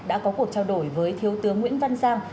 đã có cuộc trao đổi với thiếu tướng nguyễn văn giang